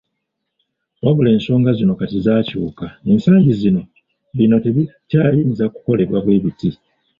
"Wabula ensonga zino kati zaakyuka, ensangi zino bino tebikyayinza kukolebwa bwe biti."